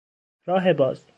راه باز